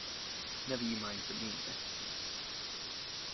Never you mind for me, miss.